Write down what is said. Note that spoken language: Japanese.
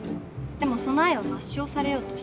でもその愛は抹消されようとしている。